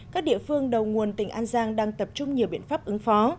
các địa phương đầu nguồn tỉnh an giang đang tập trung nhiều biện pháp ứng phó